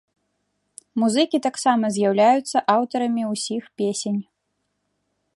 Музыкі таксама з'яўляюцца аўтарамі ўсіх песень.